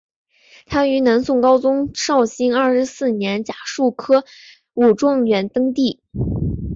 他于南宋高宗绍兴二十四年甲戌科武状元登第。